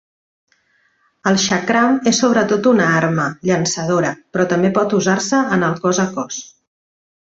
El xakram és sobretot una arma llançadora però també pot usar-se en el cos a cos.